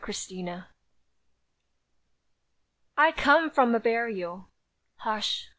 CUPID SLAIN I come from a burial; Hush!